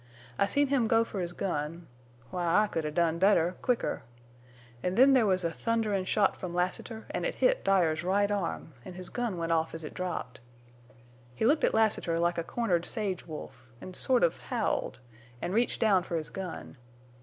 I seen him go fer his gun—why, I could hev done better, quicker—an' then there was a thunderin' shot from Lassiter, an' it hit Dyer's right arm, an' his gun went off as it dropped. He looked at Lassiter like a cornered sage wolf, an' sort of howled, an' reached down fer his gun.